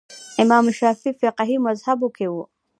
امام شافعي فقهي مذهبونو کې وو